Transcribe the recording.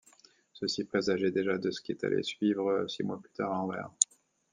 Ceci présageait déjà de ce qui allait suivre six mois plus tard à Anvers.